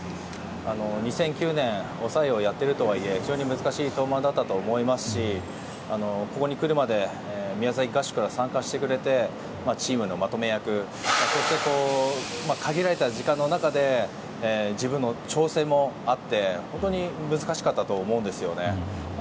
２００９年に抑えをやっているとはいえ難しい登板だったと思いますしここに来るまで宮崎合宿から参加してくれてチームのまとめ役そして、限られた時間の中で自分の調整もあって本当に難しかったと思うんです。